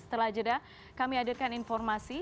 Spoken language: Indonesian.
setelah jeda kami hadirkan informasi